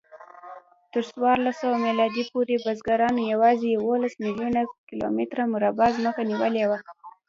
تر څوارلسسوه میلادي پورې بزګرانو یواځې یوولس میلیونه کیلومتره مربع ځمکه نیولې وه.